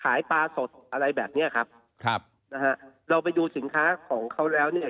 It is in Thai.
ขายปลาสดอะไรแบบเนี้ยครับครับนะฮะเราไปดูสินค้าของเขาแล้วเนี่ย